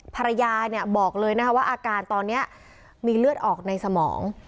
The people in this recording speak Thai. ภรรยาเนี่ยบอกเลยนะคะว่าอาการตอนนี้มีเลือดออกในสมอง